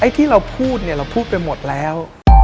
ที่เราพูดเนี่ยเราพูดไปหมดแล้ว